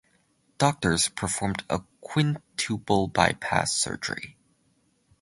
Doctors performed a quintuple bypass surgery.